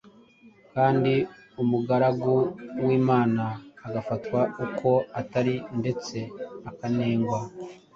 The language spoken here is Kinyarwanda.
kandi umugaragu w’imana agafatwa uko atari ndetse akanengwa